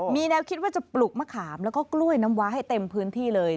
มีแนวคิดว่าจะปลูกมะขามแล้วก็กล้วยน้ำว้าให้เต็มพื้นที่เลย